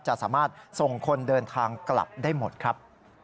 จะสามารถส่งคนเดินทางกลับได้หมดครับ